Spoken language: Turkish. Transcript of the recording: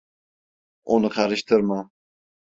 Onu karıştırma.